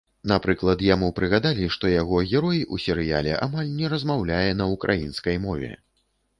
Напрыклад, яму прыгадалі, што яго герой у серыяле амаль не размаўляе на ўкраінскай мове.